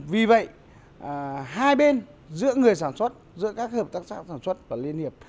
vì vậy hai bên giữa người sản xuất giữa các hợp tác xã sản xuất và liên hiệp